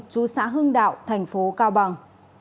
chú xã hưng đạo thành phố cao bằng